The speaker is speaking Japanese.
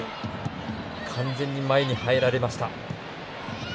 完全に前に入られました。